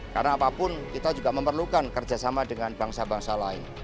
karena apapun kita juga memerlukan kerjasama dengan bangsa bangsa lain